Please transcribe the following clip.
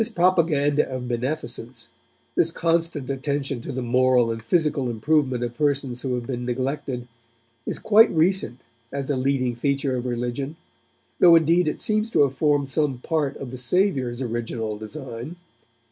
This propaganda of beneficence, this constant attention to the moral and physical improvement of persons who have been neglected, is quite recent as a leading feature of religion, though indeed it seems to have formed some part of the Saviour's original design.